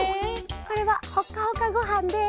これはほかほかごはんです。